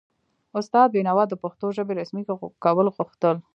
استاد بینوا د پښتو ژبې رسمي کول غوښتل.